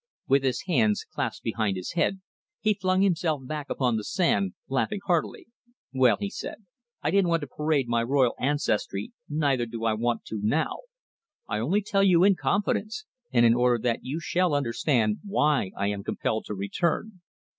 With his hands clasped behind his head, he flung himself back upon the sand, laughing heartily. "Well," he said, "I didn't want to parade my royal ancestry, neither do I want to now. I only tell you in confidence, and in order that you shall understand why I am compelled to return.